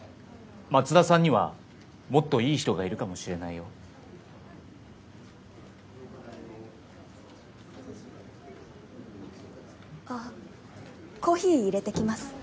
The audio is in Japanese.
松田さんにはもっといい人がいるかもしれないよあっコーヒー入れてきます